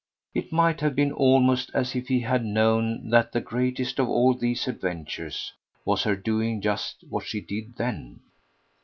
It might have been almost as if he had known that the greatest of all these adventures was her doing just what she did then.